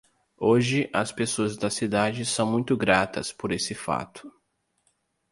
Hoje, as pessoas da cidade são muito gratas por esse fato.